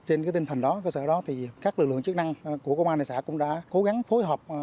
trên thành đó cơ sở đó thì các lực lượng chức năng của công an đại sản cũng đã cố gắng phối hợp